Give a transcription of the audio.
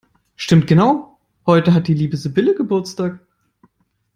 Stimmt genau, heute hat die liebe Sibylle Geburtstag!